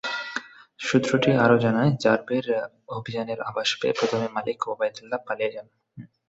সূত্রটি আরও জানায়, র্যাবের অভিযানের আভাস পেয়ে প্রথমে মালিক ওবায়দুল্লাহ্ পালিয়ে যান।